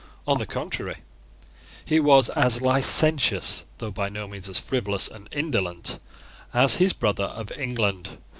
On the contrary, he was as licentious, though by no means as frivolous and indolent, as his brother of England.